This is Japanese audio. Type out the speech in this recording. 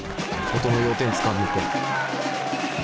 音の要点つかんでて。